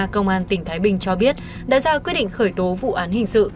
công an tỉnh thái bình cho biết đã ra quyết định khởi tố vụ án hình sự